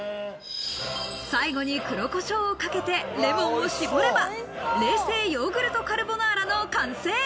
最後に黒コショウをかけてレモンを搾れば、冷製ヨーグルトカルボナーラの完成。